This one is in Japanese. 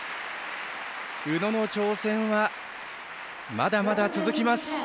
宇野の挑戦はまだまだ続きます。１８７．１０。